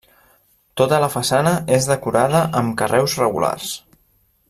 Tota la façana és decorada amb carreus regulars.